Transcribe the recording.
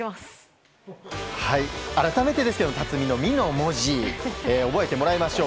改めてですけど辰己の「己」の文字を覚えてもらいましょう。